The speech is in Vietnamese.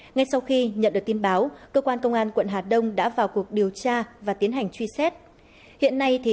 ngay sau khi nhận được tin báo cơ quan công an quận hà đông đã vào cuộc điều tra và tiến hành truy xét